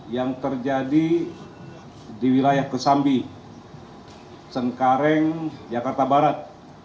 yang terjadi di wilayah kesambi cengkareng jakarta barat